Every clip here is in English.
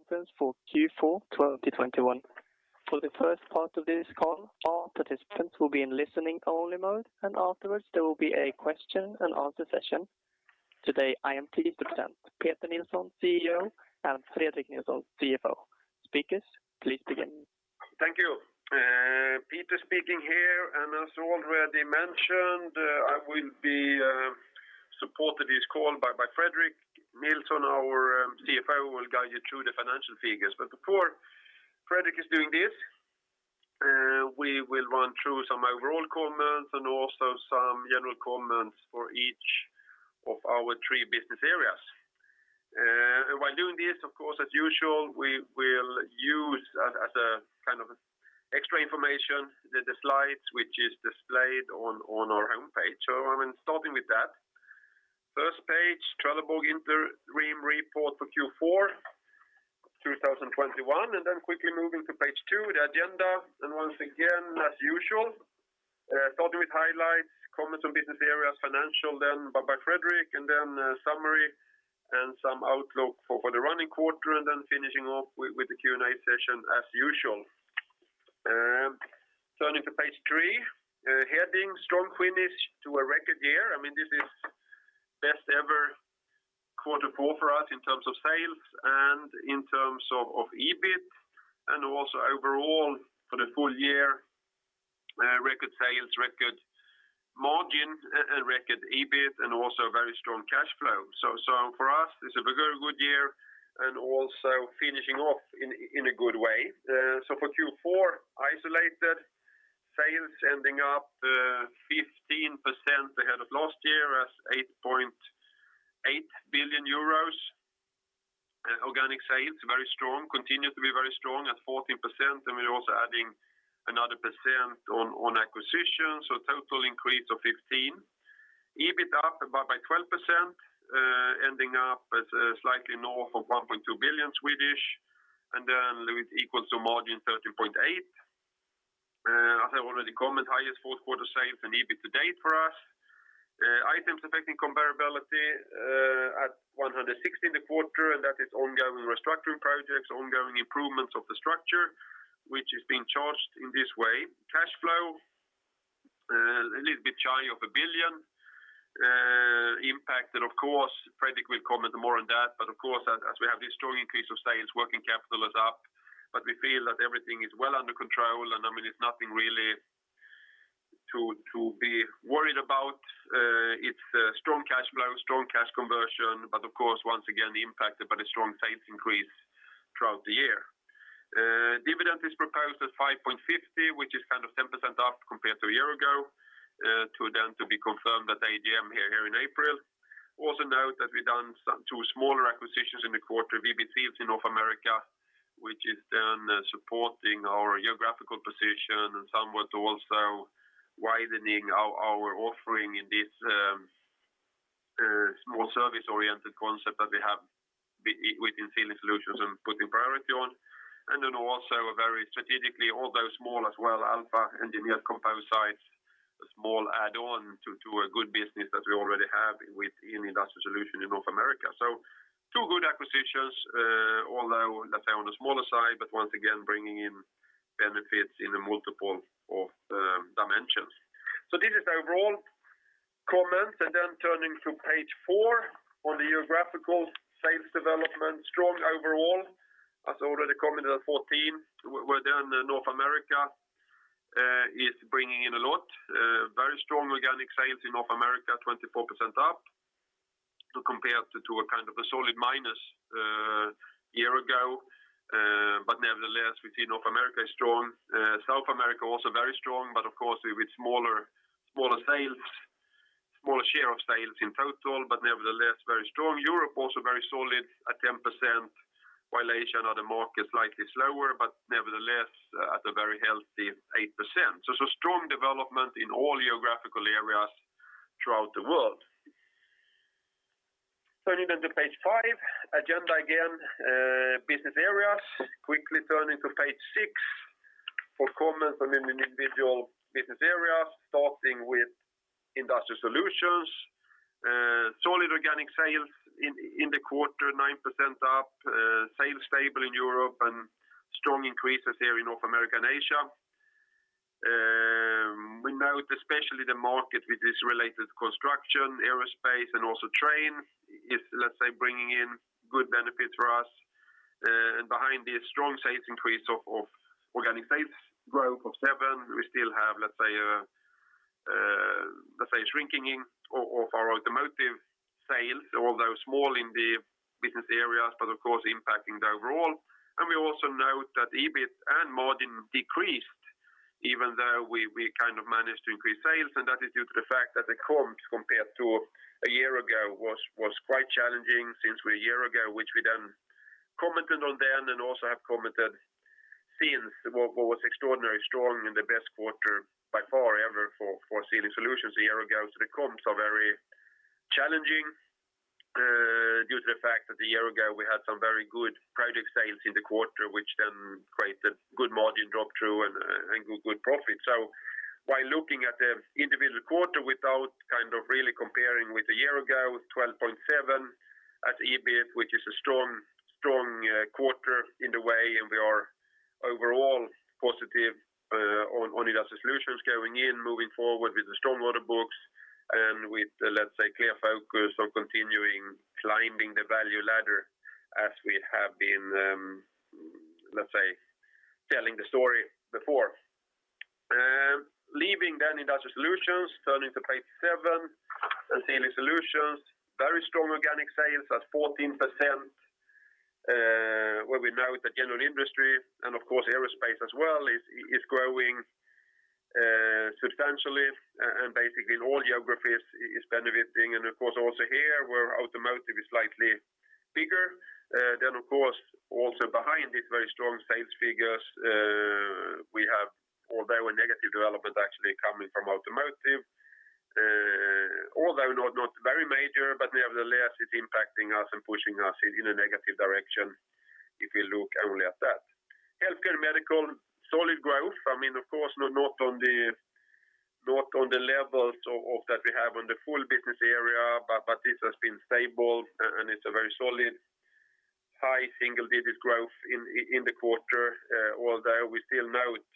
Conference for Q4 2021. For the first part of this call, all participants will be in listening only mode, and afterwards, there will be a question and answer session. Today, I am pleased to present Peter Nilsson, CEO, and Fredrik Nilsson, CFO. Speakers, please begin. Thank you. Peter speaking here, and as already mentioned, I will be supported on this call by Fredrik Nilsson. Our CFO will guide you through the financial figures. Before Fredrik is doing this, we will run through some overall comments and also some general comments for each of our three business areas. While doing this, of course, as usual, we will use as kind of extra information the slides which is displayed on our homepage. I'm starting with that. First page, Trelleborg interim report for Q4 2021, and then quickly moving to page 2, the agenda. Once again, as usual, starting with highlights, comments on business areas, financial then by Fredrik, and then a summary and some outlook for the running quarter, and then finishing off with the Q&A session as usual. Turning to page 3, heading strong finish to a record year. I mean, this is best ever quarter four for us in terms of sales and in terms of EBIT and also overall for the full year, record sales, record margin and record EBIT, and also very strong cash flow. For us this is a very good year and also finishing off in a good way. For Q4 isolated sales ending up, 15% ahead of last year as 8.8 billion euros. Organic sales very strong, continue to be very strong at 14%, and we're also adding another 1% on acquisitions, so total increase of 15. EBIT up by 12%, ending up as slightly north of 1.2 billion, and then equals to margin 13.8%. As I already comment, highest fourth quarter sales and EBIT to date for us. Items affecting comparability at 160 million in the quarter, and that is ongoing restructuring projects, ongoing improvements of the structure which is being charged in this way. Cash flow a little bit shy of 1 billion, impacted of course. Fredrik will comment more on that, but of course, as we have this strong increase of sales, working capital is up, but we feel that everything is well under control, and I mean, it's nothing really to be worried about. It's a strong cash flow, strong cash conversion, but of course, once again, impacted by the strong sales increase throughout the year. Dividend is proposed at 5.50, which is kind of 10% up compared to a year ago, to be confirmed at the AGM here in April. Note that we've done two smaller acquisitions in the quarter, VB Seals in North America, which is then supporting our geographical position and somewhat also widening our offering in this small service-oriented concept that we have within Sealing Solutions and putting priority on. Very strategically, although small as well, Alpha Engineered Composites, a small add-on to a good business that we already have within Industrial Solutions in North America. Two good acquisitions, although on the smaller side, but once again bringing in benefits in multiple dimensions. This is overall comments, and then turning to page 4 on the geographical sales development. Strong overall, as already commented at 14, where North America is bringing in a lot, very strong organic sales in North America, 24% up compared to a kind of solid minus year ago. Nevertheless, we see North America is strong. South America also very strong, but of course with smaller sales, smaller share of sales in total, but nevertheless very strong. Europe also very solid at 10%, while Asia and other markets slightly slower, but nevertheless at a very healthy 8%. Strong development in all geographical areas throughout the world. Turning to page 5, agenda again, business areas. Quickly turning to page 6 for comments on the individual business areas, starting with Industrial Solutions. Solid organic sales in the quarter, 9% up, sales stable in Europe, and strong increases here in North America and Asia. We note especially the market with this related construction, aerospace, and also trains is, let's say, bringing in good benefit for us. Behind the strong sales increase of organic sales growth of 7%, we still have, let's say, shrinking of our automotive sales, although small in the business areas, but of course impacting the overall. We also note that EBIT and margin decreased even though we kind of managed to increase sales, and that is due to the fact that the comp compared to a year ago was quite challenging since we a year ago, which we then commented on then and also have commented since what was extraordinarily strong and the best quarter by far ever for Sealing Solutions a year ago. The comps are very challenging due to the fact that a year ago, we had some very good project sales in the quarter, which then created good margin drop through and good profit. By looking at the individual quarter without kind of really comparing with a year ago, 12.7% at EBIT, which is a strong quarter in the way and we are overall positive on Industrial Solutions going in, moving forward with the strong order books and with, let's say, clear focus on continuing climbing the value ladder as we have been, let's say, telling the story before. Leaving then Industrial Solutions, turning to page 7, Trelleborg Sealing Solutions, very strong organic sales at 14%, where we know the general industry, and of course aerospace as well is growing substantially and basically in all geographies is benefiting. Of course, also here, where automotive is slightly bigger, then of course, also behind these very strong sales figures, we have although a negative development actually coming from automotive, although not very major, but nevertheless, it's impacting us and pushing us in a negative direction if you look only at that. Healthcare and medical, solid growth. I mean, of course, not on the levels of that we have on the full business area, but this has been stable and it's a very solid high single-digit growth in the quarter. Although we still note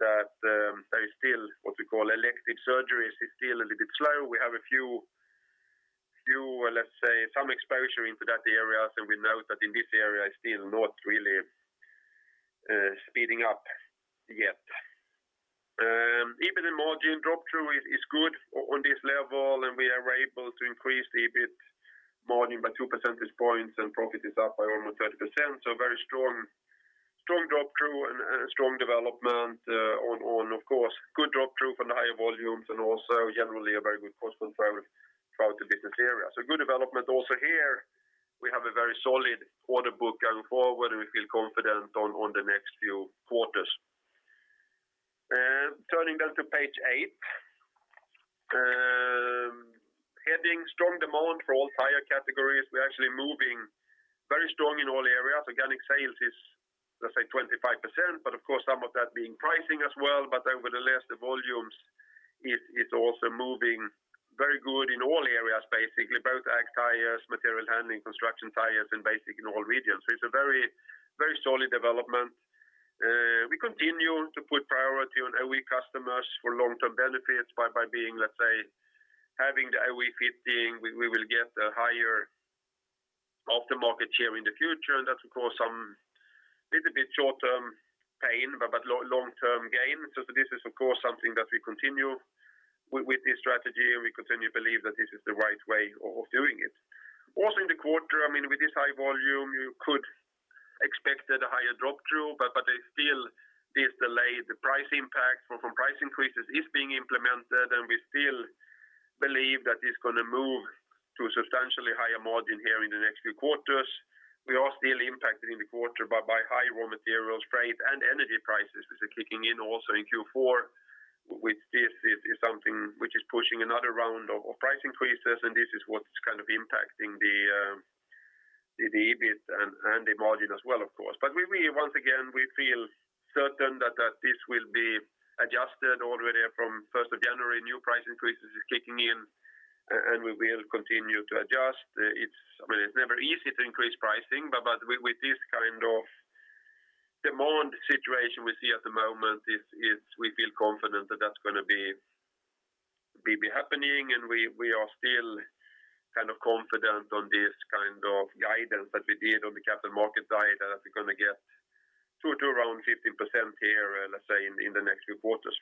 that there is still what we call elective surgeries is still a little bit slow. We have a few, let's say, some exposure into that area, and we know that in this area is still not really speeding up yet. EBITDA margin drop-through is good on this level, and we are able to increase the EBIT margin by 2 percentage points, and profit is up by almost 30%. Very strong drop-through and strong development, of course, good drop-through from the higher volumes and also generally a very good cost control throughout the business area. Good development also here. We have a very solid order book going forward, and we feel confident on the next few quarters. Turning to page 8. Heading strong demand for all tire categories. We're actually moving very strong in all areas. Organic sales is, let's say, 25%, but of course, some of that being pricing as well. Nevertheless, the volumes is also moving very good in all areas, basically, both ag tires, material handling, construction tires, and basic in all regions. It's a very, very solid development. We continue to put priority on OE customers for long-term benefits by being, let's say, having the OE fitting, we will get a higher aftermarket share in the future. That's of course, some little bit short-term pain, but long-term gain. This is of course, something that we continue with this strategy, and we continue to believe that this is the right way of doing it. Also in the quarter, I mean, with this high volume, you could expect a higher drop-through, but there's still this delay, the price impact from price increases is being implemented, and we still believe that it's going to move to a substantially higher margin here in the next few quarters. We are still impacted in the quarter by high raw materials, freight, and energy prices, which are kicking in also in Q4. With this is something which is pushing another round of price increases, and this is what's kind of impacting the EBIT and the margin as well, of course. We once again feel certain that this will be adjusted already from first of January, new price increases is kicking in and we will continue to adjust. It's. I mean, it's never easy to increase pricing, but with this kind of demand situation we see at the moment, we feel confident that that's gonna be happening and we are still kind of confident on this kind of guidance that we did on the capital market side, that we're gonna get to around 15% here, let's say, in the next few quarters.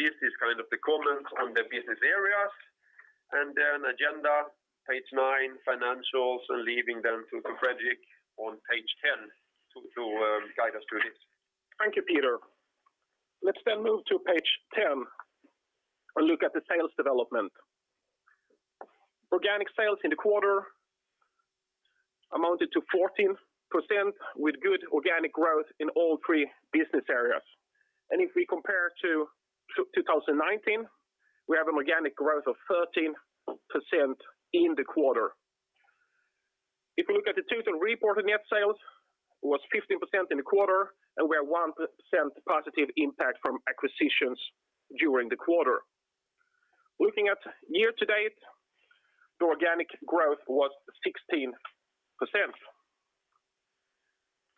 This is kind of the comments on the business areas. Then agenda, page 9, financials, and leaving then to Fredrik on page 10 to guide us through this. Thank you, Peter. Let's then move to page 10 and look at the sales development. Organic sales in the quarter amounted to 14% with good organic growth in all three business areas. If we compare to 2019, we have an organic growth of 13% in the quarter. If we look at the total reported net sales, it was 15% in the quarter, and we have 1% positive impact from acquisitions during the quarter. Looking at year-to-date, the organic growth was 16%.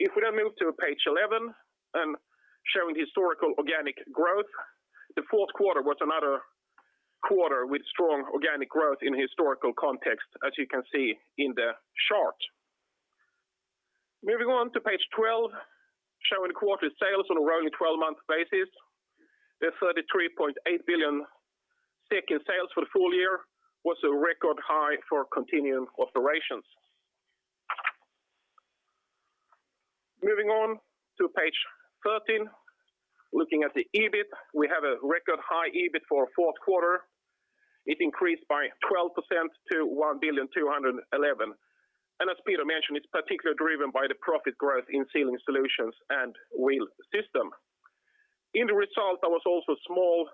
If we then move to page 11 and showing historical organic growth, the fourth quarter was another quarter with strong organic growth in historical context, as you can see in the chart. Moving on to page 12, showing the quarterly sales on a rolling 12-month basis. The 33.8 billion in sales for the full year was a record high for continuing operations. Moving on to page 13, looking at the EBIT, we have a record high EBIT for our fourth quarter. It increased by 12% to 1.211 billion. As Peter mentioned, it's particularly driven by the profit growth in Sealing Solutions and Wheel Systems. In the result, there was also small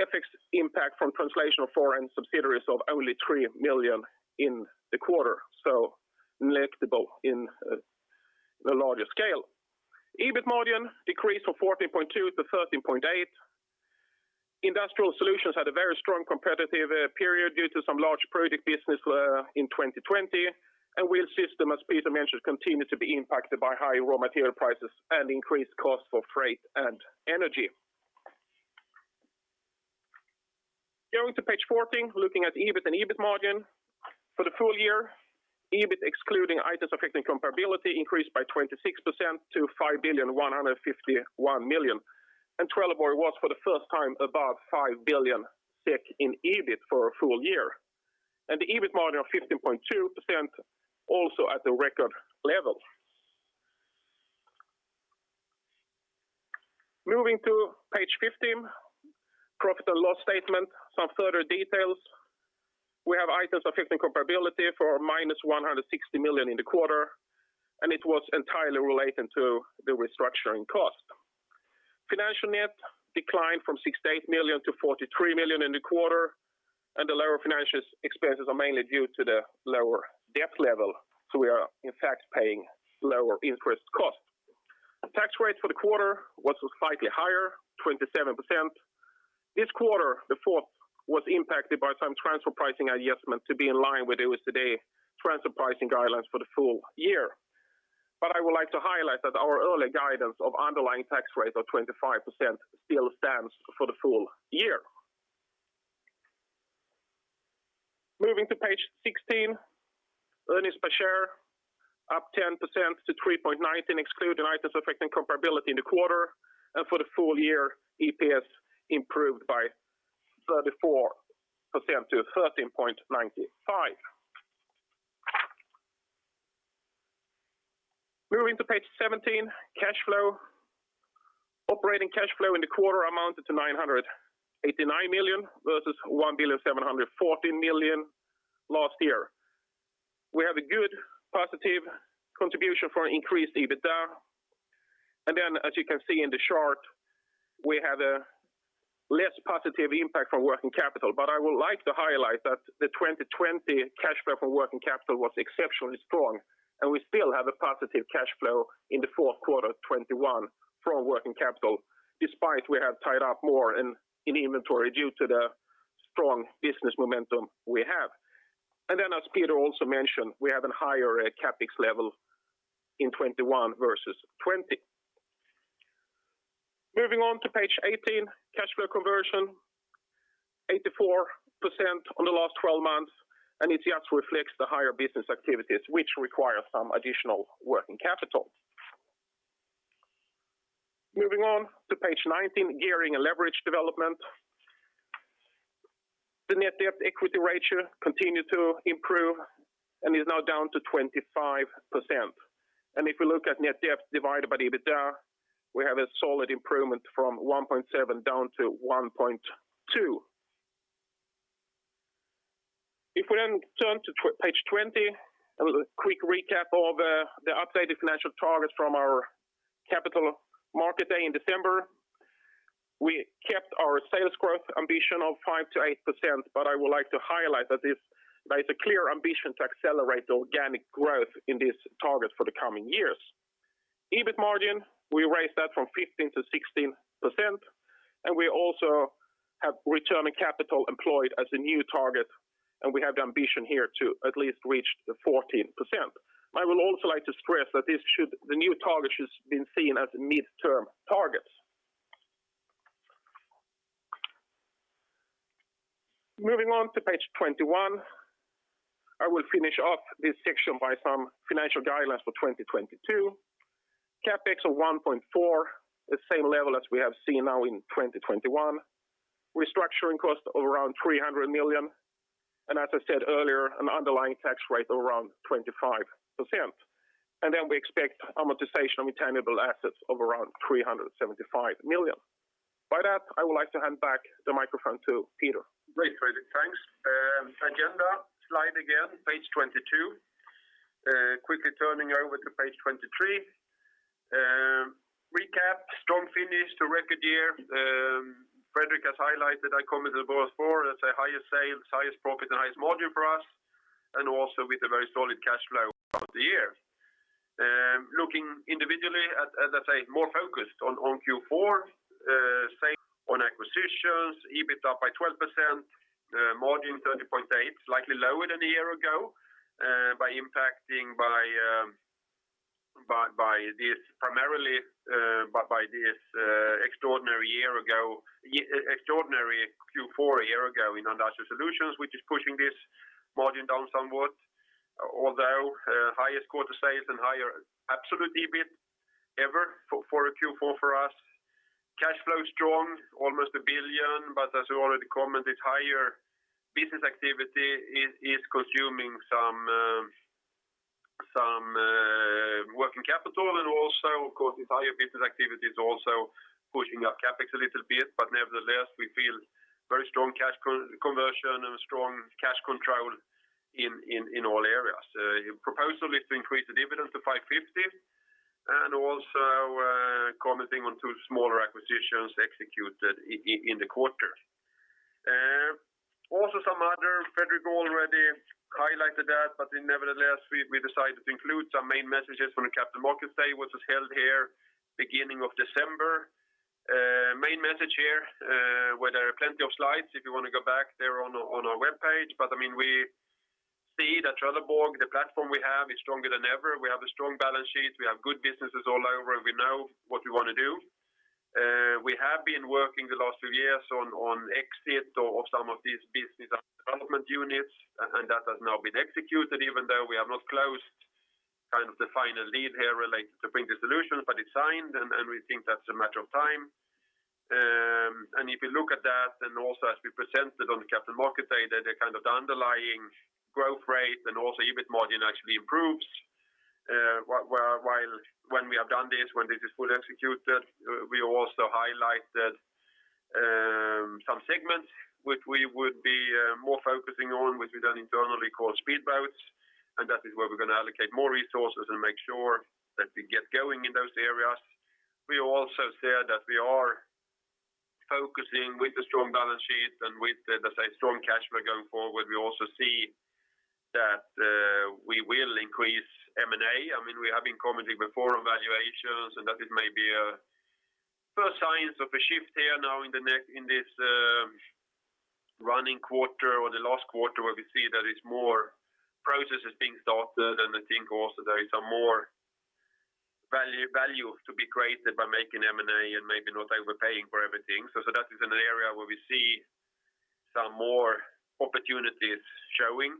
FX impact from translation of foreign subsidiaries of only 3 million in the quarter, so negligible in the larger scale. EBIT margin decreased from 14.2% to 13.8%. Industrial Solutions had a very strong quarter due to some large project business in 2020. Wheel Systems, as Peter mentioned, continued to be impacted by high raw material prices and increased costs for freight and energy. Going to page 14, looking at EBIT and EBIT margin. For the full year, EBIT excluding items affecting comparability increased by 26% to 5.151 billion. Trelleborg was for the first time above 5 billion in EBIT for a full year, and the EBIT margin of 15.2% also at the record level. Moving to page 15, profit and loss statement. Some further details. We have items affecting comparability for -160 million in the quarter, and it was entirely related to the restructuring cost. Financial net declined from 68 million-43 million in the quarter, and the lower financial expenses are mainly due to the lower debt level, so we are in fact paying lower interest costs. Tax rate for the quarter was slightly higher, 27%. This quarter, the fourth, was impacted by some transfer pricing adjustments to be in line with OECD transfer pricing guidelines for the full year. I would like to highlight that our early guidance of underlying tax rate of 25% still stands for the full year. Moving to page 16, earnings per share up 10% to 3.9 excluding items affecting comparability in the quarter. For the full year, EPS improved by 34% to SEK 13.95. Moving to page 17, cash flow. Operating cash flow in the quarter amounted to 989 million versus 1.714 billion last year. We have a good positive contribution from increased EBITDA. As you can see in the chart, we have a less positive impact from working capital. I would like to highlight that the 2020 cash flow from working capital was exceptionally strong, and we still have a positive cash flow in the fourth quarter 2021 from working capital, despite we have tied up more in inventory due to the strong business momentum we have. As Peter also mentioned, we have a higher CapEx level in 2021 versus 2020. Moving on to page 18, cash flow conversion, 84% on the last 12 months, and it just reflects the higher business activities, which require some additional working capital. Moving on to page 19, gearing and leverage development. The net debt equity ratio continued to improve and is now down to 25%. If we look at net debt divided by the EBITDA, we have a solid improvement from 1.7 down to 1.2. If we then turn to page 20, a little quick recap of the updated financial targets from our Capital Markets Day in December. We kept our sales growth ambition of 5%-8%, but I would like to highlight that there is a clear ambition to accelerate the organic growth in this target for the coming years. EBIT margin, we raised that from 15%-16%, and we also have return on capital employed as a new target, and we have the ambition here to at least reach the 14%. I would also like to stress that the new target should be seen as a midterm target. Moving on to page 21. I will finish up this section by some financial guidelines for 2022. CapEx of 1.4, the same level as we have seen now in 2021. Restructuring cost of around 300 million. As I said earlier, an underlying tax rate of around 25%. We expect amortization of intangible assets of around 375 million. By that, I would like to hand back the microphone to Peter. Great, Fredrik. Thanks. Agenda slide again, page 22. Quickly turning over to page 23. Recap, strong finish to record year. Fredrik has highlighted, I commented both for, let's say, highest sales, highest profit, and highest margin for us, and also with a very solid cash flow throughout the year. Looking individually at, as I say, more focused on Q4, same on acquisitions, EBIT up by 12%, margin 30.8%, slightly lower than a year ago, impacted primarily by this extraordinary Q4 a year ago in Industrial Solutions, which is pushing this margin down somewhat. Although highest quarter sales and higher absolute EBIT ever for a Q4 for us. Cash flow is strong, almost 1 billion, but as we already commented, higher business activity is consuming some working capital and also, of course, this higher business activity is also pushing up CapEx a little bit. Nevertheless, we feel very strong cash conversion and strong cash control in all areas. Proposal is to increase the dividend to 5.50. Also, commenting on two smaller acquisitions executed in the quarter. Also some other, Fredrik already highlighted that, but nevertheless, we decided to include some main messages from the Capital Markets Day, which was held here beginning of December. Main message here, where there are plenty of slides, if you want to go back, they're on our webpage. I mean, we see that Trelleborg, the platform we have is stronger than ever. We have a strong balance sheet, we have good businesses all over, and we know what we want to do. We have been working the last two years on exit of some of these business development units, and that has now been executed, even though we have not closed kind of the final deal here related to Printing Solutions, but it's signed, and we think that's a matter of time. If you look at that, and also as we presented on the Capital Markets Day, the kind of underlying growth rate and also EBIT margin actually improves while, when this is fully executed, we also highlighted some segments which we would be more focusing on, which we then internally call speedboats. That is where we're gonna allocate more resources and make sure that we get going in those areas. We also said that we are focusing with the strong balance sheet and with the, let's say, strong cash flow going forward, we also see that we will increase M&A. I mean, we have been commenting before on valuations and that it may be a first signs of a shift here now in this running quarter or the last quarter where we see that it's more processes being started. I think also there is a more value to be created by making M&A and maybe not overpaying for everything. That is an area where we see some more opportunities showing.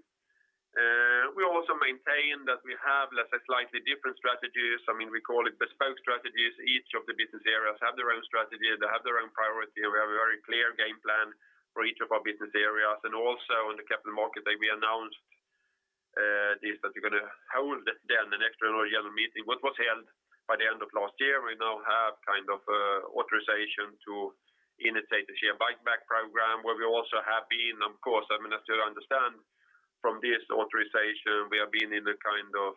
We also maintain that we have, let's say, slightly different strategies. I mean, we call it bespoke strategies. Each of the Business Areas have their own strategy, they have their own priority. We have a very clear game plan for each of our Business Areas. Also in the Capital Markets Day, we announced this, that we're gonna hold then an extraordinary general meeting. What was held by the end of last year, we now have kind of authorization to initiate the share buyback program, where we also have been, of course, I mean, as you understand from this authorization, we have been in a kind of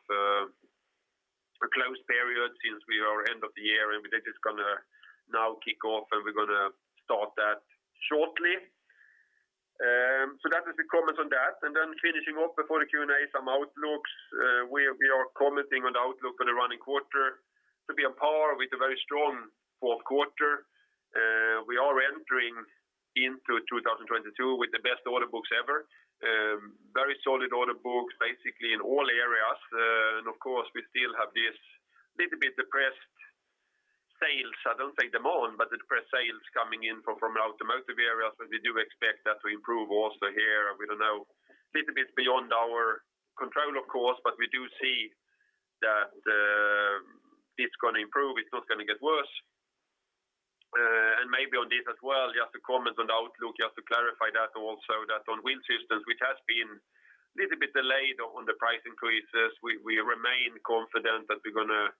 a closed period since we are end of the year, and this is gonna now kick off, and we're gonna start that shortly. So that is the comments on that. Then finishing up before the Q&A, some outlooks. We are commenting on the outlook for the running quarter to be on par with a very strong fourth quarter. We are entering into 2022 with the best order books ever. Very solid order books basically in all areas. Of course, we still have this little bit depressed sales, I don't say demand, but the depressed sales coming in from automotive areas, but we do expect that to improve also here. We don't know, little bit beyond our control, of course, but we do see that, it's gonna improve. It's not gonna get worse. Maybe on this as well, just to comment on the outlook, just to clarify that also that on Wheel Systems, which has been little bit delayed on the price increases, we remain confident that we're gonna.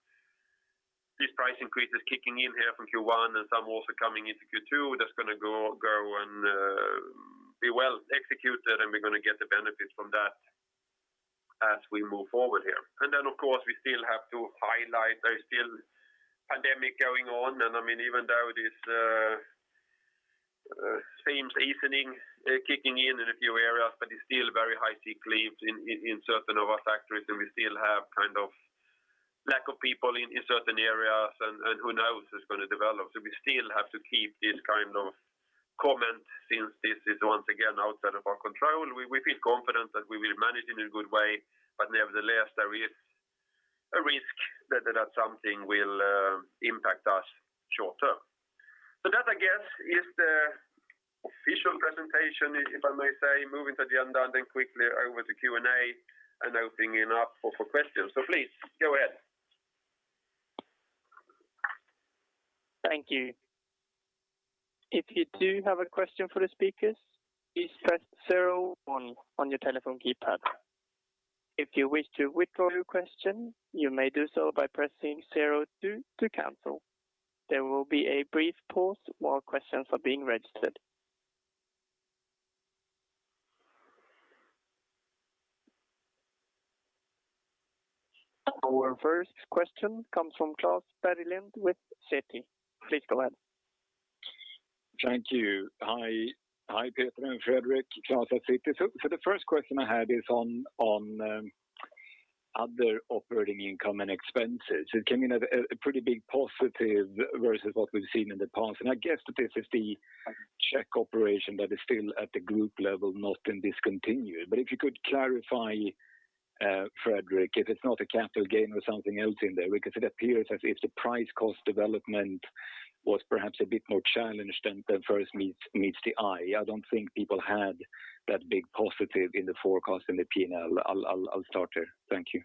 These price increases kicking in here from Q1 and some also coming into Q2, that's gonna go and be well executed, and we're gonna get the benefits from that as we move forward here. Then, of course, we still have to highlight there's still pandemic going on. I mean, even though this seems easing kicking in in a few areas, but it's still very high sick leaves in certain of our factories, and we still have kind of lack of people in certain areas and who knows it's gonna develop. We still have to keep this kind of comment since this is once again outside of our control. We feel confident that we will manage in a good way, but nevertheless, there is a risk that something will impact us short-term. That, I guess, is the official presentation, if I may say, moving to the end and then quickly over to Q&A and opening it up for questions. Please go ahead. Thank you. If you do have a question for the speakers please press star one on your telephone keypad. If you wish to withdraw your question you may do so by pressing star two to cancel. There will be a brief pause while questions are being registered. Our first question comes from Klas Bergelind with Citi. Please go ahead. Thank you. Hi. Hi, Peter and Fredrik. Klas at Citi. For the first question I had is on other operating income and expenses. It came in a pretty big positive versus what we've seen in the past. I guess that this is the Czech operation that is still at the group level not been discontinued. If you could clarify, Fredrik, if it's not a capital gain or something else in there, because it appears as if the price cost development was perhaps a bit more challenged than first meets the eye. I don't think people had that big positive in the forecast in the P&L. I'll start there. Thank you.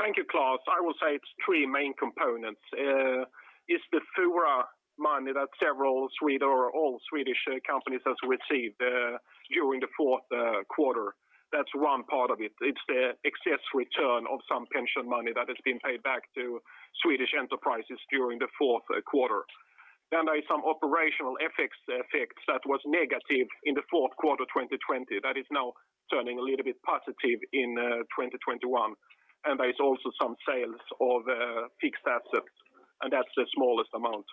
Thank you, Klas. I will say it's three main components. It's the Fora money that several Swedish or all Swedish companies has received during the fourth quarter. That's one part of it. It's the excess return of some pension money that has been paid back to Swedish enterprises during the fourth quarter. There is some operational effects that was negative in the fourth quarter 2020 that is now turning a little bit positive in 2021. There is also some sales of fixed assets, and that's the smallest amount.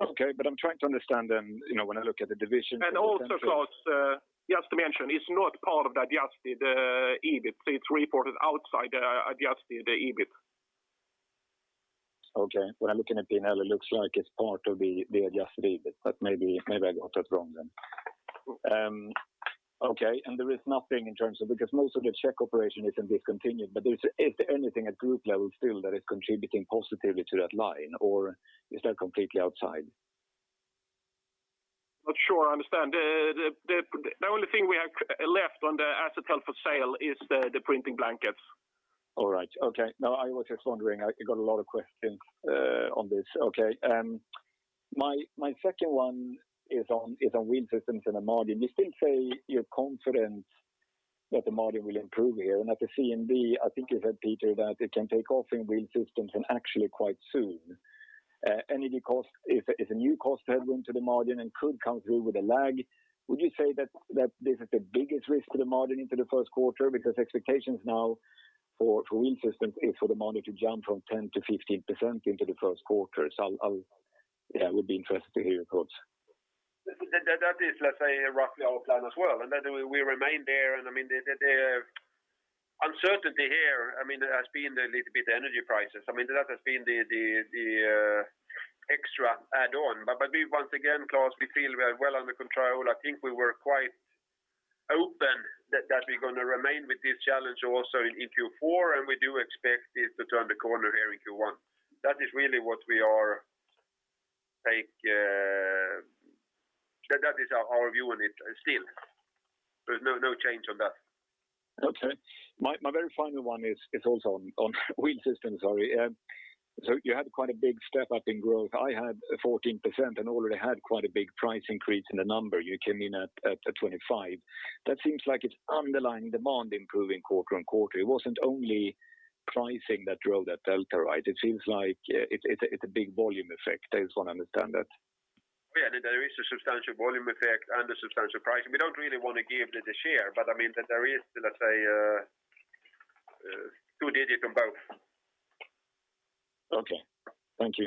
Okay. I'm trying to understand then, you know, when I look at the division. Also, Klas, just to mention, it's not part of the adjusted EBIT. It's reported outside the adjusted EBIT. Okay. When I'm looking at P&L, it looks like it's part of the adjusted EBIT, but maybe I got that wrong then. Okay, there is nothing in terms of that. Because most of the Czech operation is in discontinued, but is there anything at group level still that is contributing positively to that line? Or is that completely outside? Not sure I understand. The only thing we have left on the asset held for sale is the printing blankets. All right. Okay. No, I was just wondering. I got a lot of questions on this. Okay. My second one is on Wheel Systems and the margin. You still say you're confident that the margin will improve here. At the CMD, I think you said, Peter, that it can take off in Wheel Systems and actually quite soon. Energy cost is a new cost headwind to the margin and could come through with a lag. Would you say that this is the biggest risk to the margin into the first quarter? Because expectations now for Wheel Systems is for the margin to jump from 10%-15% into the first quarter. Yeah, would be interested to hear your thoughts. That is, let's say, roughly our plan as well. We remain there. I mean, the uncertainty here, I mean, has been a little bit energy prices. I mean, that has been the extra add-on. We once again, Klas, we feel we're well under control. I think we were quite open that we're gonna remain with this challenge also in Q4, and we do expect it to turn the corner here in Q1. That is really our view on it still. There's no change on that. Okay. My very final one is also on Wheel Systems, sorry. So you had quite a big step up in growth. I had 14% and already had quite a big price increase in the number. You came in at 25. That seems like it's underlying demand improving quarter-on-quarter. It wasn't only pricing that drove that delta, right? It seems like it's a big volume effect. I just want to understand that. Yeah, there is a substantial volume effect and a substantial price. We don't really want to give the share, but I mean that there is, let's say, two-digit on both. Okay. Thank you.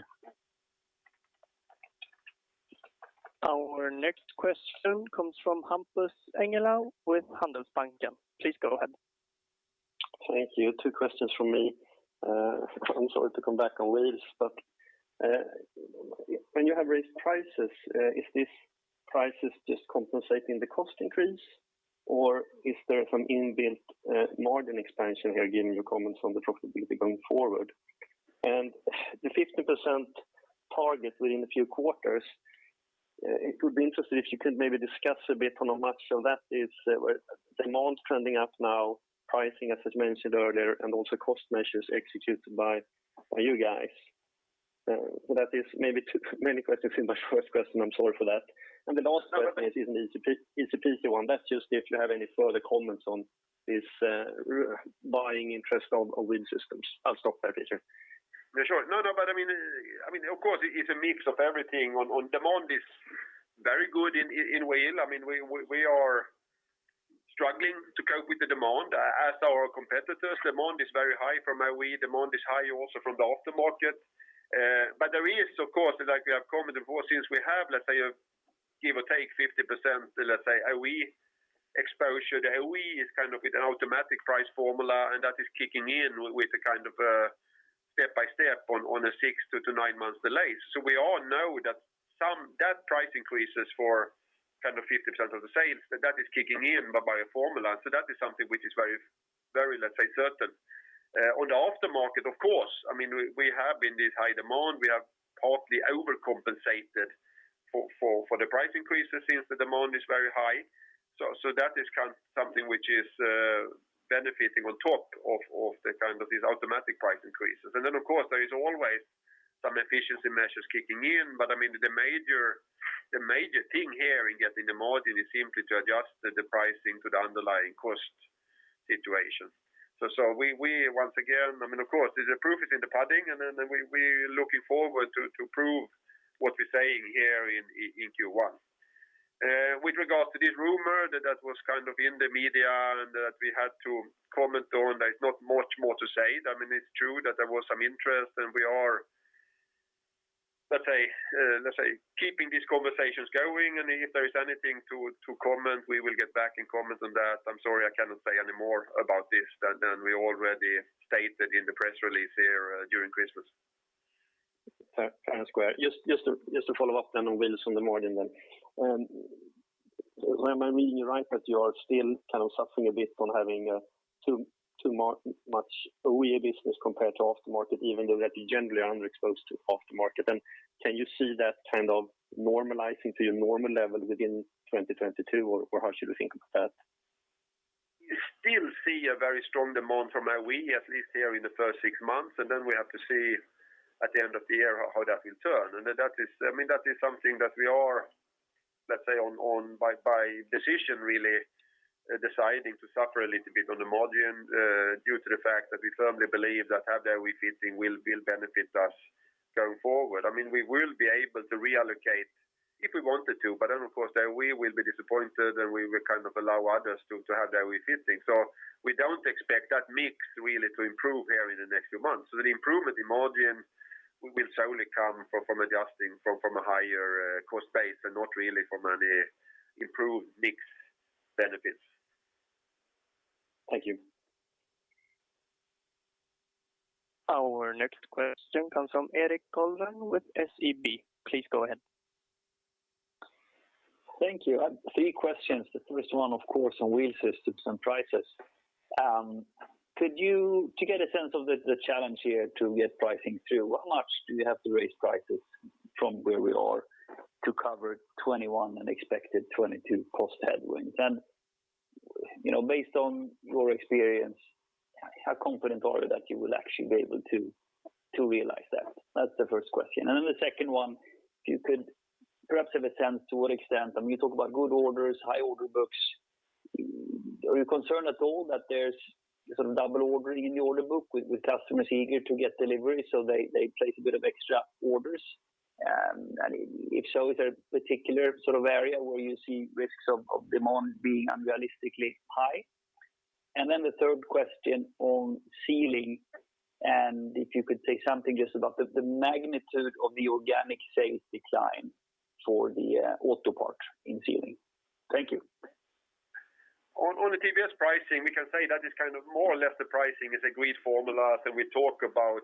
Our next question comes from Hampus Engellau with Handelsbanken. Please go ahead. Thank you. Two questions from me. I'm sorry to come back on Wheels, but when you have raised prices, is this prices just compensating the cost increase? Or is there some inbuilt margin expansion here, given your comments on the profitability going forward? The 50% target within a few quarters, it would be interesting if you could maybe discuss a bit on how much of that is demand trending up now, pricing, as was mentioned earlier, and also cost measures executed by you guys. That is maybe too many questions in my first question. I'm sorry for that. The last question is an easy peasy one. That's just if you have any further comments on this rumored buying interest on Wheel Systems. I'll stop there, Peter. I mean, of course it's a mix of everything. On demand is very good in Wheel. I mean, we are struggling to cope with the demand as our competitors. Demand is very high from OE. Demand is high also from the aftermarket. But there is, of course, like we have commented before, since we have, let's say, give or take 50%, let's say, OE exposure. The OE is kind of with an automatic price formula, and that is kicking in with a kind of step-by-step on a 6- to 9-month delay. We all know that price increases for kind of 50% of the sales is kicking in by a formula. That is something which is very certain. On the aftermarket, of course, I mean, we have in this high demand, we have partly overcompensated for the price increases since the demand is very high. That is kind of something which is benefiting on top of the kind of these automatic price increases. Of course, there is always some efficiency measures kicking in. I mean, the major thing here in getting the margin is simply to adjust the pricing to the underlying cost situation. We once again, I mean, of course, the proof is in the pudding, and then we looking forward to prove what we're saying here in Q1. With regards to this rumor that was kind of in the media and that we had to comment on, there's not much more to say. I mean, it's true that there was some interest, and we are, let's say, keeping these conversations going. If there is anything to comment, we will get back and comment on that. I'm sorry I cannot say any more about this than we already stated in the press release here, during Christmas. Fair and square. Just to follow up then on Wheels on the margin then. Am I reading you right that you are still kind of suffering a bit from having too much OE business compared to aftermarket, even though that you generally are underexposed to aftermarket? Can you see that kind of normalizing to your normal levels within 2022, or how should we think about that? We still see a very strong demand from OE, at least here in the first six months, and then we have to see at the end of the year how that will turn. That is, I mean, that is something that we are. Let's say by decision really deciding to suffer a little bit on the margin, due to the fact that we firmly believe that the refitting will benefit us going forward. I mean, we will be able to reallocate if we wanted to, but then of course we will be disappointed and we will kind of allow others to have their refitting. We don't expect that mix really to improve here in the next few months. The improvement in margin will solely come from adjusting for a higher cost base and not really from any improved mix benefits. Thank you. Our next question comes from Erik Golrang with SEB. Please go ahead. Thank you. I have three questions. The first one, of course, on Wheel Systems and prices. To get a sense of the challenge here to get pricing through, how much do you have to raise prices from where we are to cover 2021 and expected 2022 cost headwinds? You know, based on your experience, how confident are you that you will actually be able to realize that? That's the first question. The second one, if you could perhaps have a sense to what extent, I mean, you talk about good orders, high order books. Are you concerned at all that there's sort of double ordering in the order book with customers eager to get delivery, so they place a bit of extra orders? If so, is there a particular sort of area where you see risks of demand being unrealistically high? Then the third question on sealing, and if you could say something just about the magnitude of the organic sales decline for the auto parts in sealing. Thank you. On the TWS pricing, we can say that is kind of more or less the pricing is agreed formulas, and we talk about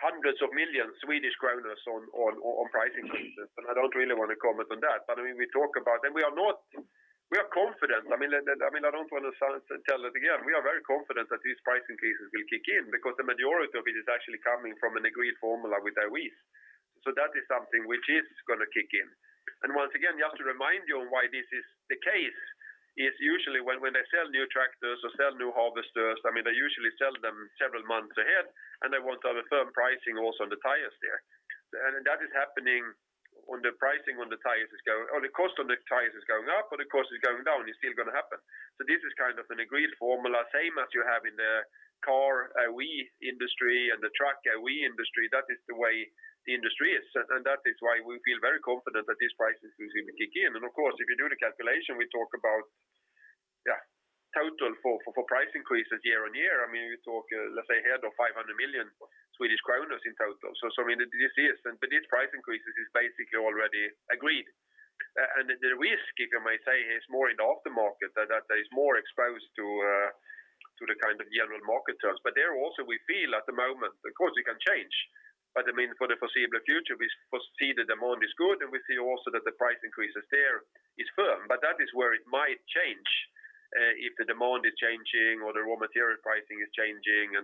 hundreds of millions SEK on pricing increases. I don't really want to comment on that. I mean, we are confident. We are very confident that these price increases will kick in because the majority of it is actually coming from an agreed formula with OE. That is something which is going to kick in. Once again, just to remind you on why this is the case is usually when they sell new tractors or sell new harvesters, I mean, they usually sell them several months ahead, and they want to have a firm pricing also on the tires there. That is happening on the pricing when the cost on the tires is going up, or the cost is going down, it's still going to happen. This is kind of an agreed formula, same as you have in the car OE industry and the truck OE industry. That is the way the industry is. That is why we feel very confident that these prices is going to kick in. Of course, if you do the calculation, we talk about, yeah, total for price increases year-on-year. I mean, you talk, let's say, ahead of 500 million Swedish kronor in total. These price increases is basically already agreed. The risk you might say is more in the aftermarket that is more exposed to the kind of general market terms. There also we feel at the moment, of course, it can change. I mean, for the foreseeable future, we foresee the demand is good, and we see also that the price increases there is firm. That is where it might change if the demand is changing or the raw material pricing is changing.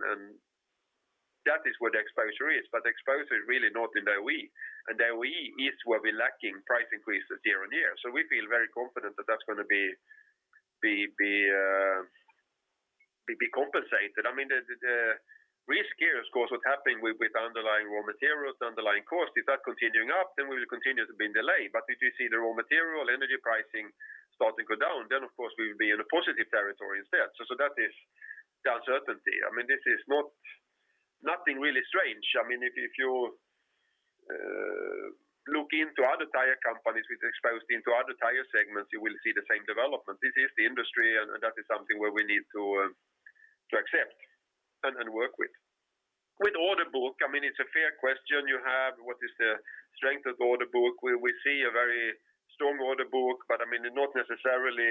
That is where the exposure is. The exposure is really not in the OE. The OE is where we're lacking price increases year-on-year. We feel very confident that that's going to be compensated. I mean, the risk here, of course, what's happening with underlying raw materials, underlying costs, if that's continuing up, then we will continue to be in delay. But if you see the raw material, energy pricing starting to go down, then of course, we will be in a positive territory instead. That is the uncertainty. I mean, this is not nothing really strange. I mean, if you look into other tire companies which are exposed into other tire segments, you will see the same development. This is the industry, and that is something where we need to accept and work with. With order book, I mean, it's a fair question you have, what is the strength of the order book. We see a very strong order book, but I mean, not necessarily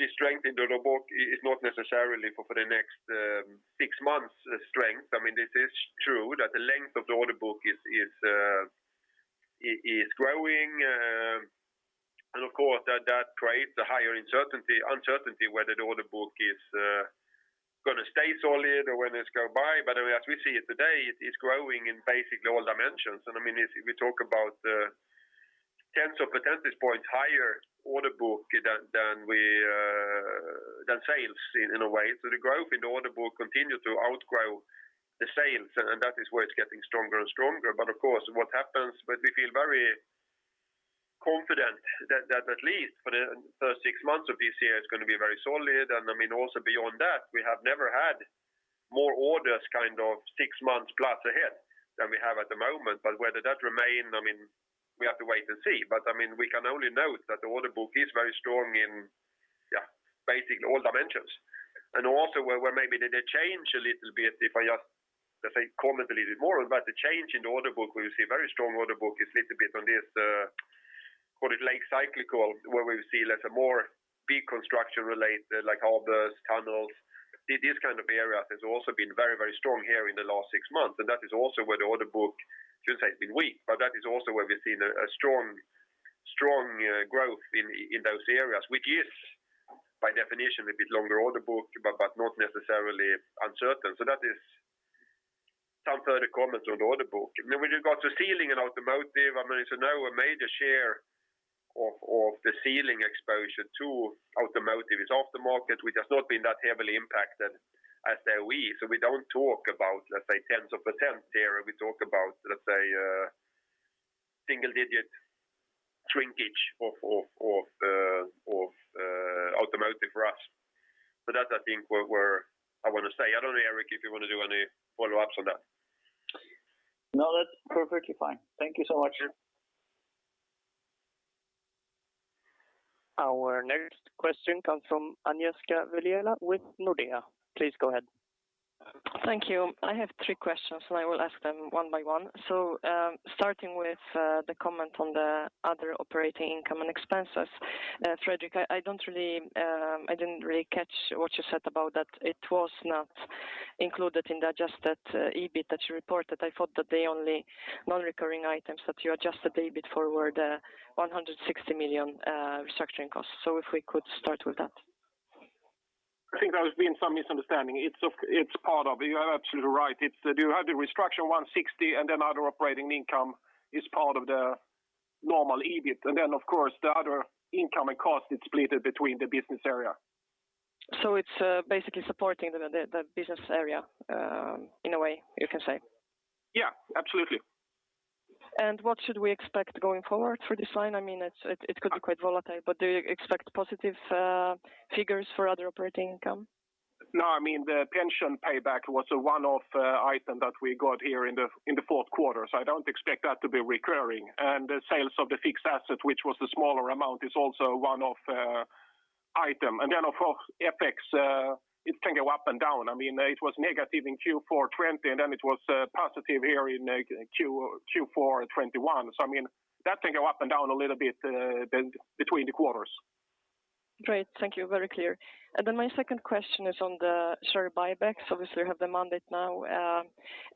the strength in the order book is not necessarily for the next six months strength. I mean, it is true that the length of the order book is growing. Of course, that creates a higher uncertainty whether the order book is going to stay solid or whether it's going by. As we see it today, it's growing in basically all dimensions. I mean, if we talk about tens of percentage points higher order book than sales in a way. The growth in order book continue to outgrow the sales, and that is where it's getting stronger and stronger. Of course, we feel very confident that at least for the first six months of this year, it's going to be very solid. I mean, also beyond that, we have never had more orders kind of 6+ months ahead than we have at the moment. Whether that remain, I mean, we have to wait and see. I mean, we can only note that the order book is very strong in, yeah, basically all dimensions. Also where maybe the change a little bit, if I just, let's say, comment a little bit more about the change in the order book, where you see a very strong order book is little bit on this, call it late cyclical, where we see less a more big construction related like harvesters, tunnels. These kind of areas has also been very, very strong here in the last six months. That is also where the order book shouldn't say it's been weak, but that is also where we've seen a strong growth in those areas, which is by definition a bit longer order book, but not necessarily uncertain. That is some further comments on the order book. I mean, when you got to sealing and automotive, I mean, now a major share of the sealing exposure to automotive is off the market, which has not been that heavily impacted as they are we. We don't talk about, let's say tens of percentage there. We talk about, let's say, single-digit shrinkage of automotive for us. That I think we're. I want to say. I don't know, Erik, if you want to do any follow-ups on that. No, that's perfectly fine. Thank you so much. Sure. Our next question comes from Agnieszka Vilela with Nordea. Please go ahead. Thank you. I have three questions, and I will ask them one by one. Starting with the comment on the other operating income and expenses. Fredrik, I didn't really catch what you said about that. It was not included in the adjusted EBIT that you reported. I thought that the only non-recurring items that you adjusted the EBIT for were the 160 million restructuring costs. If we could start with that. I think there has been some misunderstanding. It's part of. You are absolutely right. You have the restructure 160 and then other operating income is part of the normal EBIT. Then of course, the other income and cost is split between the business area. It's basically supporting the business area in a way you can say? Yeah, absolutely. What should we expect going forward for this line? I mean, it could be quite volatile, but do you expect positive figures for other operating income? No, I mean, the pension payback was a one-off item that we got here in the fourth quarter, so I don't expect that to be recurring. The sales of the fixed asset, which was the smaller amount, is also a one-off item. Then of course, FX, it can go up and down. I mean, it was negative in Q4 2020, and then it was positive here in Q4 2021. I mean, that can go up and down a little bit between the quarters. Great. Thank you. Very clear. My second question is on the share buybacks. Obviously, you have the mandate now.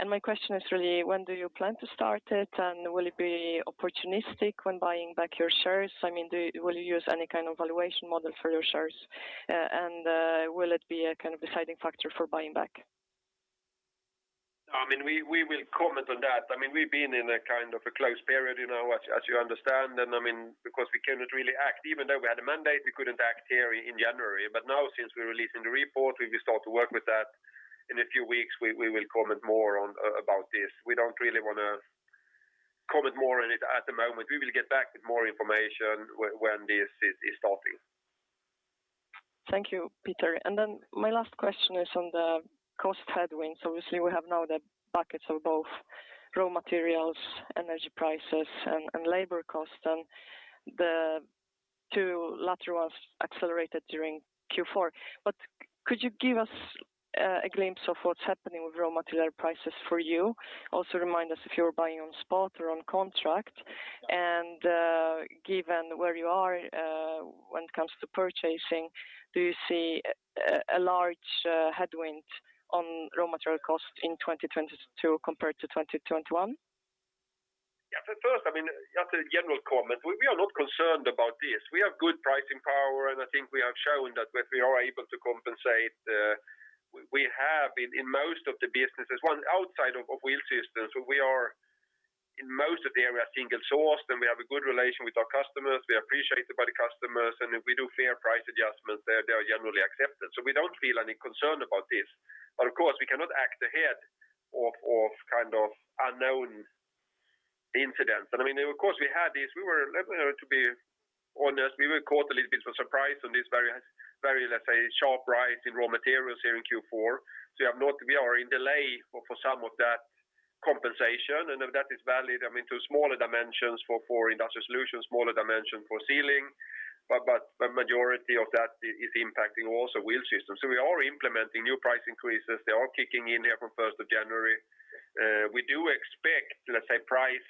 My question is really, when do you plan to start it? Will it be opportunistic when buying back your shares? I mean, will you use any kind of valuation model for your shares? Will it be a kind of deciding factor for buying back? I mean, we will comment on that. I mean, we've been in a kind of a close period, you know, as you understand. I mean, because we cannot really act. Even though we had a mandate, we couldn't act here in January. Now since we're releasing the report, we will start to work with that. In a few weeks, we will comment more about this. We don't really want to comment more on it at the moment. We will get back with more information when this is starting. Thank you, Peter. My last question is on the cost headwinds. Obviously, we have now the buckets of both raw materials, energy prices and labor costs, and the two latter ones accelerated during Q4. Could you give us a glimpse of what's happening with raw material prices for you? Also remind us if you're buying on spot or on contract. Given where you are when it comes to purchasing, do you see a large headwind on raw material costs in 2022 compared to 2021? Yeah. First, I mean, just a general comment. We are not concerned about this. We have good pricing power, and I think we have shown that we are able to compensate. We have in most of the businesses. Outside of Wheel Systems, we are in most areas single source, and we have a good relation with our customers. We are appreciated by the customers, and if we do fair price adjustments, they are generally accepted. We don't feel any concern about this. Of course, we cannot act ahead of kind of unknown incidents. I mean, of course, we had this. To be honest, we were caught a little bit by surprise on this very, let's say, sharp rise in raw materials here in Q4. We are in delay for some of that compensation. That is valid, I mean, to smaller dimensions for Industrial Solutions, smaller dimension for Sealing. The majority of that is impacting also Wheel Systems. We are implementing new price increases. They are kicking in here from first of January. We do expect, let's say, price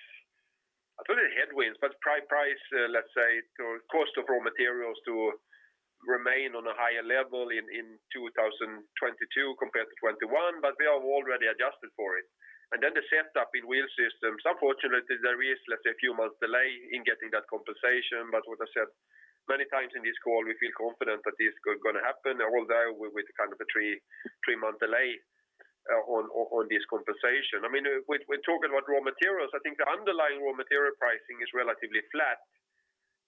headwinds, but price-to-cost of raw materials to remain on a higher level in 2022 compared to 2021, but we have already adjusted for it. Then the setup in Wheel Systems, unfortunately, there is, let's say, a few months delay in getting that compensation. What I said many times in this call, we feel confident that this is gonna happen, although with kind of a three-month delay on this compensation. I mean, we're talking about raw materials. I think the underlying raw material pricing is relatively flat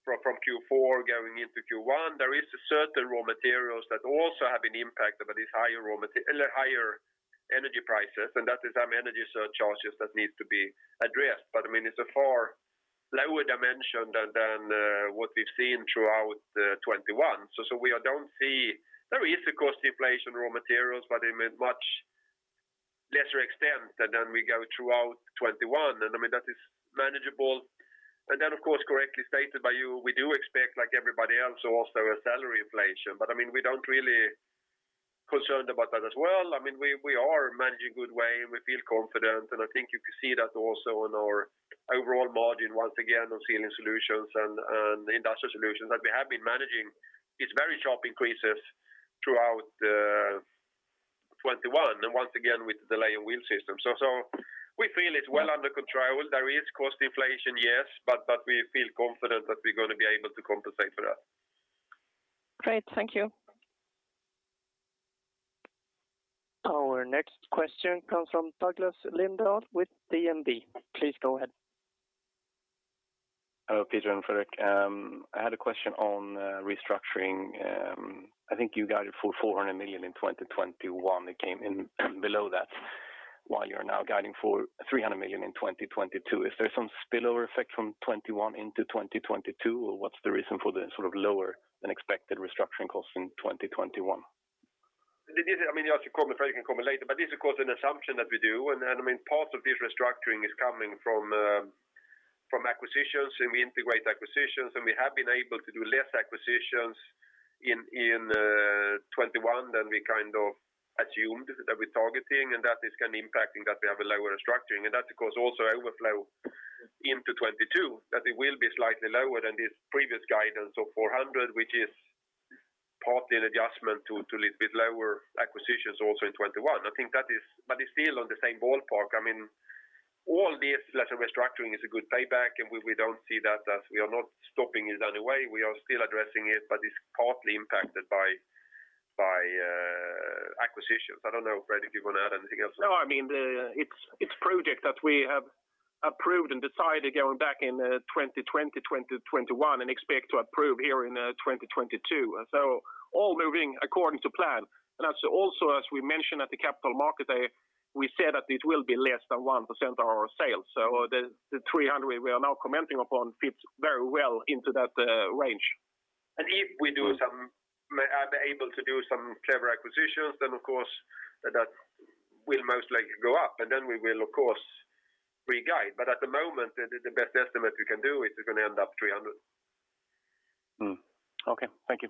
from Q4 going into Q1. There are certain raw materials that also have an impact from this higher energy prices, and that is some energy surcharges that need to be addressed. I mean, it's a far lower dimension than what we've seen throughout 2021. We don't see a cost inflation in raw materials, but in a much lesser extent than we saw throughout 2021. I mean, that is manageable. Then of course, correctly stated by you, we do expect like everybody else also a salary inflation. I mean, we're not really concerned about that as well. I mean, we're managing in a good way and we feel confident. I think you can see that also in our overall margin once again on Sealing Solutions and Industrial Solutions, that we have been managing these very sharp increases throughout 2021, and once again with delay in Wheel Systems. We feel it's well under control. There is cost inflation, yes, but we feel confident that we're going to be able to compensate for that. Great. Thank you. Our next question comes from Douglas Lindahl with DNB. Please go ahead. Hello, Peter and Fredrik. I had a question on restructuring. I think you guided for 400 million in 2021. It came in below that, while you're now guiding for 300 million in 2022. Is there some spillover effect from 2021 into 2022? Or what's the reason for the sort of lower than expected restructuring costs in 2021? I mean, you ask it to Fredrik can comment later, but this is of course an assumption that we do. I mean, part of this restructuring is coming from acquisitions, and we integrate acquisitions, and we have been able to do less acquisitions in 2021 than we kind of assumed that we're targeting, and that is kind of impacting that we have a lower restructuring. That of course also overflow into 2022, that it will be slightly lower than this previous guidance of 400 million, which is partly an adjustment to a little bit lower acquisitions also in 2021. I think that is. It's still on the same ballpark. I mean, all this lesser restructuring is a good payback, and we don't see that as we are not stopping it on the way. We are still addressing it, but it's partly impacted by acquisitions. I don't know, Fredrik, if you want to add anything else. No, I mean, it's a project that we have approved and decided going back in 2020, 2021, and expect to approve here in 2022. All moving according to plan. That's also, as we mentioned at the Capital Markets Day, we said that it will be less than 1% of our sales. The 300 million we are now commenting upon fits very well into that range. If we are able to do some clever acquisitions, then of course that will most likely go up. Then we will, of course, re-guide. At the moment, the best estimate we can do is it's going to end up 300 million. Okay. Thank you.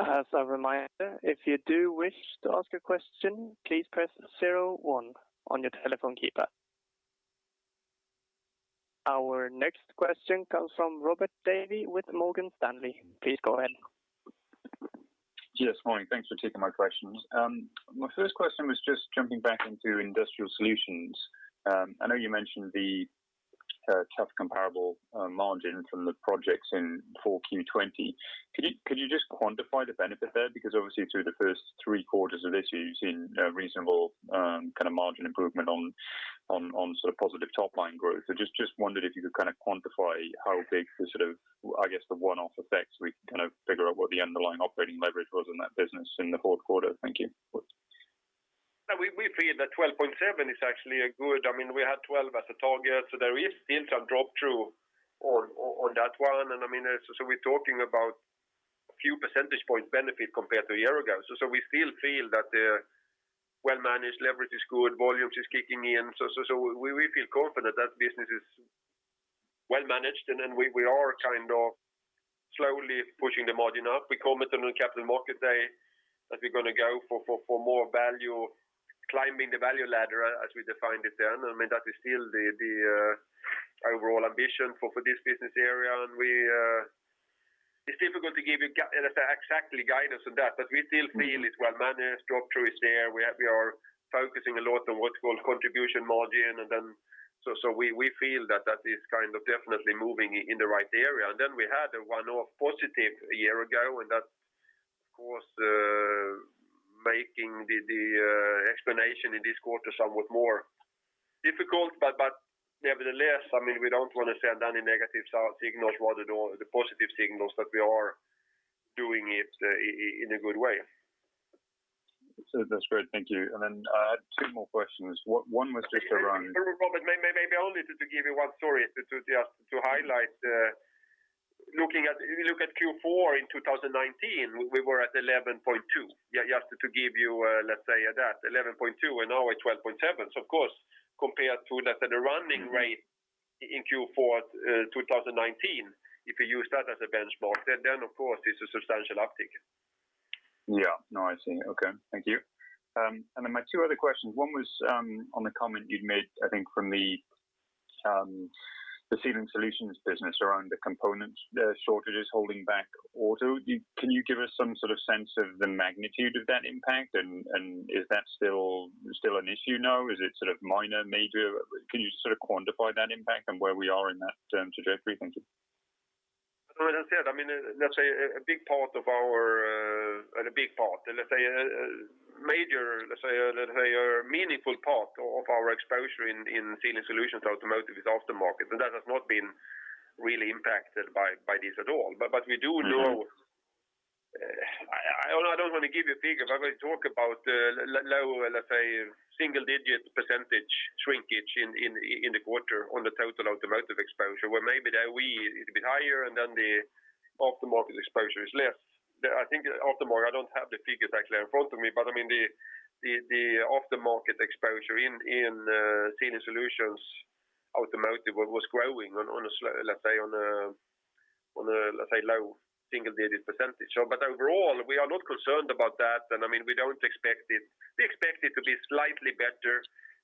As a reminder, if you do wish to ask a question, please press zero one on your telephone keypad. Our next question comes from Robert Davies with Morgan Stanley. Please go ahead. Yes. Morning. Thanks for taking my questions. My first question was just jumping back into Industrial Solutions. I know you mentioned the tough comparable margin from the projects for Q 20. Could you just quantify the benefit there? Because obviously through the first three quarters of this year, you've seen a reasonable kind of margin improvement on sort of positive top-line growth. Just wondered if you could kind of quantify how big the sort of, I guess, the one-off effects we can kind of figure out what the underlying operating leverage was in that business in the fourth quarter. Thank you. Yeah, we feel that 12.7% is actually a good. I mean, we had 12% as a target, so there is still some drop-through on that one. I mean, we're talking about a few percentage points benefit compared to a year ago. We still feel that the well-managed leverage is good, volumes is kicking in. We feel confident that business is well managed, and then we are kind of slowly pushing the margin up. We committed on Capital Markets Day that we're going to go for more value, climbing the value ladder as we defined it then. I mean, that is still the overall ambition for this business area. It's difficult to give you exactly guidance on that, but we still feel it's well managed. Drop-through is there. We are focusing a lot on what's called contribution margin. We feel that that is kind of definitely moving in the right area. We had a one-off positive a year ago, and that, of course, making the explanation in this quarter somewhat more difficult. Nevertheless, I mean, we don't want to send any negative signals rather the positive signals that we are doing it in a good way. That's great. Thank you. I had two more questions. One was just around. Robert, maybe only to give you one story just to highlight. If you look at Q4 in 2019, we were at 11.2%. Just to give you, let's say that 11.2%, and now we're at 12.7%. Of course, compared to that at a running rate in Q4 2019, if you use that as a benchmark, of course, it's a substantial uptick. Yeah. No, I see. Okay. Thank you. Then my two other questions, one was on the comment you'd made, I think from the Sealing Solutions business around the components, the shortages holding back auto. Can you give us some sort of sense of the magnitude of that impact? And is that still an issue now? Is it sort of minor, major? Can you sort of quantify that impact and where we are in that year-to-date? Three, thank you. As I said, I mean, let's say a meaningful part of our exposure in Sealing Solutions Automotive is aftermarket. That has not been really impacted by this at all. We do know. I don't want to give you a figure, but we talk about low, let's say, single-digit percentage shrinkage in the quarter on the total automotive exposure, where maybe the OE is a bit higher and then the aftermarket exposure is less. I think aftermarket, I don't have the figure exactly in front of me, but I mean, the aftermarket exposure in Sealing Solutions Automotive was growing on a low single-digit percentage. But overall, we are not concerned about that. I mean, we don't expect it. We expect it to be slightly better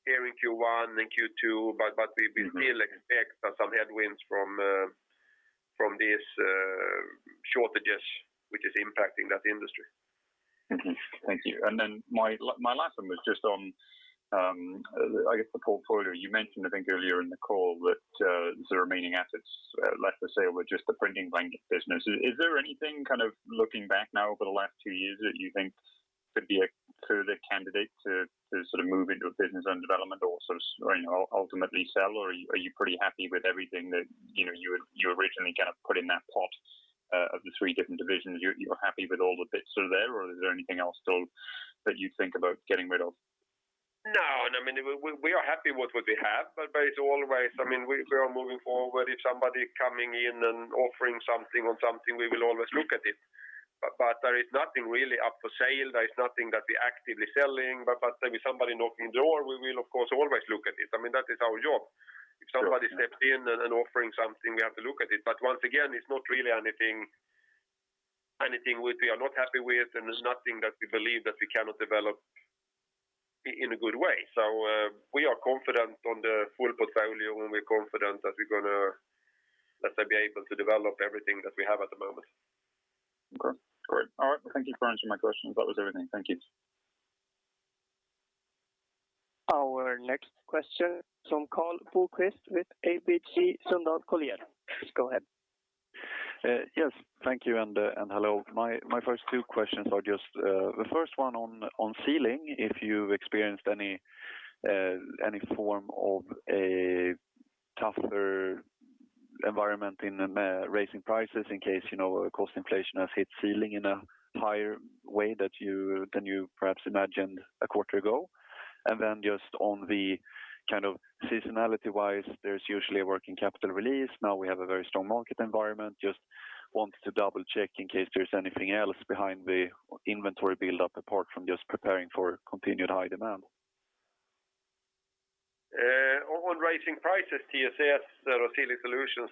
here in Q1 than Q2, but we still expect some headwinds from these shortages, which is impacting that industry. Okay, thank you. My last one was just on. I guess the portfolio, you mentioned, I think earlier in the call that the remaining assets left for sale were just the printing blanket business. Is there anything kind of looking back now over the last two years that you think could be a further candidate to sort of move into a business and development or sort of, you know, ultimately sell? Or are you pretty happy with everything that, you know, you originally kind of put in that pot of the three different divisions? You're happy with all the bits that are there or is there anything else still that you think about getting rid of? No. I mean, we are happy with what we have. It's always, I mean, we are moving forward. If somebody coming in and offering something on something, we will always look at it. There is nothing really up for sale. There is nothing that we're actively selling. Say, if somebody knocking on the door, we will of course always look at it. I mean, that is our job. Sure. If somebody steps in and offering something, we have to look at it. Once again, it's not really anything which we are not happy with, and there's nothing that we believe that we cannot develop in a good way. We are confident on the full portfolio, and we're confident that we're gonna, let's say, be able to develop everything that we have at the moment. Okay. Great. All right. Thank you for answering my questions. That was everything. Thank you. Our next question from Karl Bokvist with ABG Sundal Collier. Please go ahead. Yes, thank you and hello. My first two questions are just the first one on Sealing, if you've experienced any form of a tougher environment in raising prices in case, you know, cost inflation has hit Sealing in a higher way than you perhaps imagined a quarter ago? Then just on the kind of seasonality-wise, there's usually a working capital release. Now we have a very strong market environment. Just wanted to double-check in case there's anything else behind the inventory build up apart from just preparing for continued high demand. On raising prices, TSS or Sealing Solutions,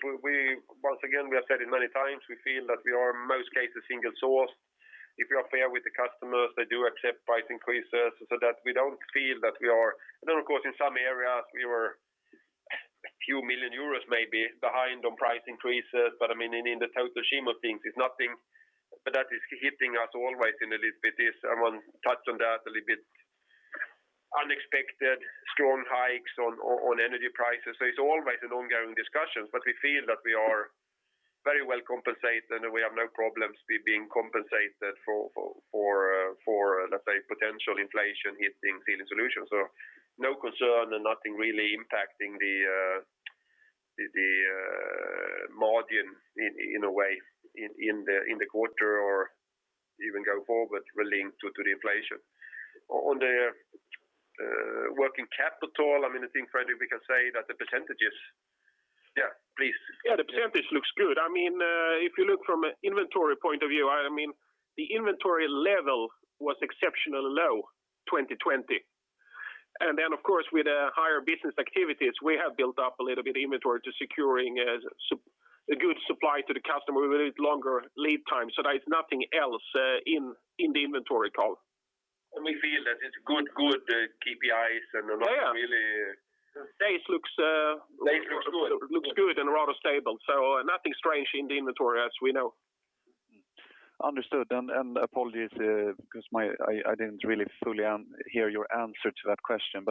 once again, we have said it many times, we feel that we are in most cases single source. If you are fair with the customers, they do accept price increases so that we don't feel that we are. Then of course in some areas we were a few million EUR maybe behind on price increases. But I mean, in the total scheme of things, it's nothing. But that is hitting us always a little bit, unexpected strong hikes on energy prices. It's always an ongoing discussions, but we feel that we are very well compensated, and we have no problems being compensated for, let's say, potential inflation hitting Sealing Solutions. No concern and nothing really impacting the margin in a way in the quarter or even go forward relating to the inflation. On the working capital, I mean, I think Fredrik we can say that the percentages. Yeah, please. Yeah, the percentage looks good. I mean, if you look from an inventory point of view, I mean, the inventory level was exceptionally low 2020. Then of course with the higher business activities, we have built up a little bit inventory to securing a good supply to the customer with a little longer lead time. There is nothing else in the inventory call. We feel that it's good KPIs and not really. Yeah. Days looks. Days looks good. Looks good and rather stable. Nothing strange in the inventory as we know. Understood. Apologies because I didn't really fully hear your answer to that question.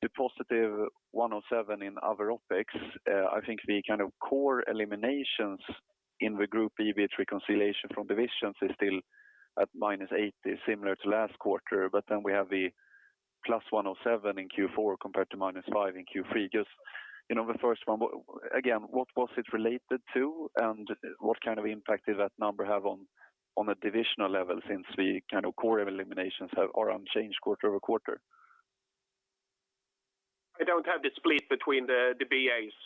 The positive 107 in other OpEx, I think the kind of core eliminations in the group EBIT reconciliation from divisions is still at -80, similar to last quarter. Then we have the plus 107 in Q4 compared to -5 in Q3. You know, the first one, again, what was it related to, and what kind of impact did that number have on a divisional level since the kind of core eliminations are unchanged quarter-over-quarter? I don't have the split between the BAs.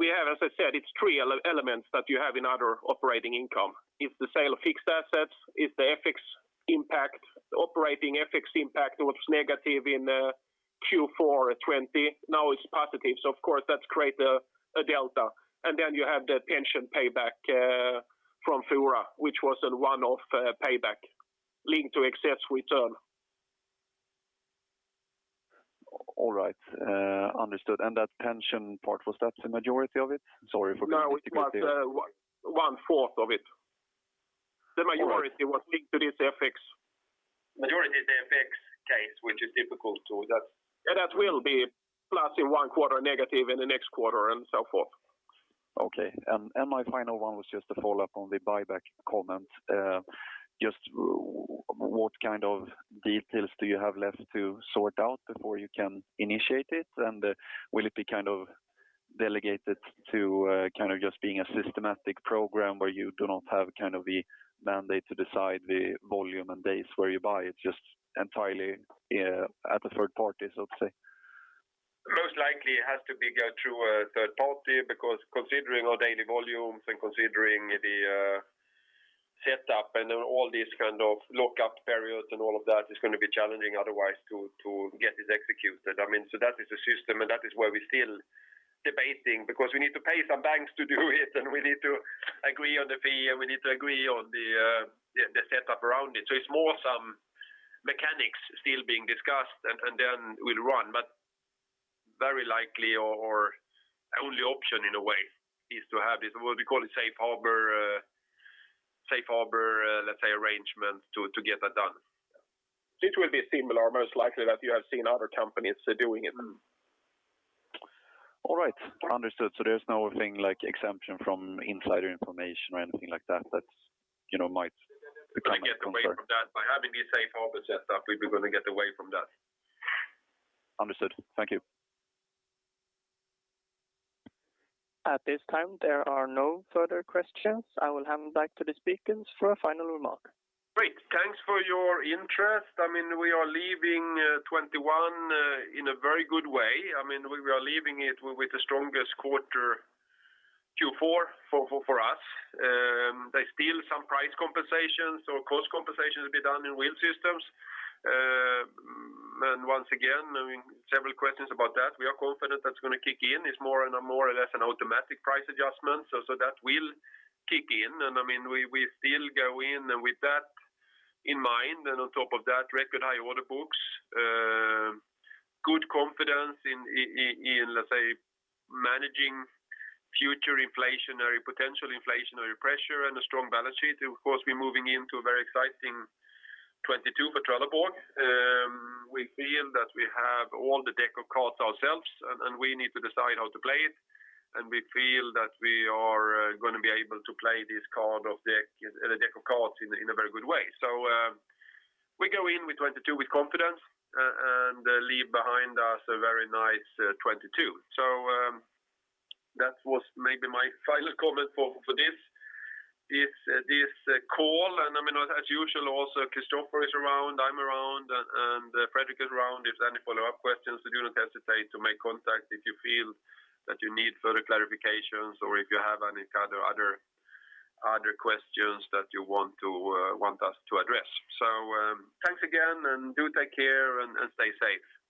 We have, as I said, it's three elements that you have in other operating income. It's the sale of fixed assets, it's the FX impact, the operating FX impact was negative in Q4 2020. Now it's positive, so of course that create a delta. You have the pension payback from Fora, which was a one-off payback linked to excess return. All right. Understood. That pension part, was that the majority of it? Sorry for getting- No, it was one fourth of it. All right. The majority was linked to this FX. majority is the FX case, which is difficult to. Yeah, that will be plus in one quarter, negative in the next quarter and so forth. Okay. My final one was just a follow-up on the buyback comment. Just what kind of details do you have left to sort out before you can initiate it? Will it be kind of delegated to kind of just being a systematic program where you do not have kind of the mandate to decide the volume and days where you buy? It's just entirely at the third party, so to say. Most likely it has to go through a third party because considering our daily volumes and considering the setup and all these kind of lockup periods and all of that, it's gonna be challenging otherwise to get this executed. I mean, that is the system, and that is where we're still debating because we need to pay some banks to do it and we need to agree on the fee, and we need to agree on the setup around it. It's more some mechanics still being discussed, and then we'll run. Very likely or only option in a way is to have this, what we call a safe harbor, safe harbor, let's say, arrangement to get that done. It will be similar, most likely, that you have seen other companies doing it. All right. Understood. There's nothing like exemption from insider information or anything like that, you know, might become a concern. We're going to get away from that. By having these safe harbor set up, we're going to get away from that. Understood. Thank you. At this time, there are no further questions. I will hand back to the speakers for a final remark. Great. Thanks for your interest. I mean, we are leaving 2021 in a very good way. I mean, we are leaving it with the strongest quarter Q4 for us. There's still some price compensations or cost compensations to be done in Wheel Systems. And once again, I mean, several questions about that. We are confident that's going to kick in. It's more or less an automatic price adjustment. So that will kick in. And I mean, we still go in with that in mind. And on top of that, record high order books, good confidence in, let's say, managing future potential inflationary pressure and a strong balance sheet. Of course, we're moving into a very exciting 2022 for Trelleborg. We feel that we have all the deck of cards ourselves, and we need to decide how to play it. We feel that we are going to be able to play this card of deck, the deck of cards in a very good way. We go in with 2022 with confidence and leave behind us a very nice 2022. That was maybe my final comment for this call. I mean, as usual, Christofer is around, I'm around, and Fredrik is around. If there's any follow-up questions, do not hesitate to make contact if you feel that you need further clarifications or if you have any kind of other questions that you want us to address. Thanks again, and do take care and stay safe.